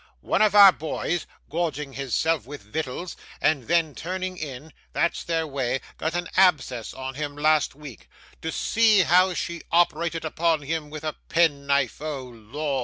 One of our boys gorging his self with vittles, and then turning in; that's their way got a abscess on him last week. To see how she operated upon him with a pen knife! Oh Lor!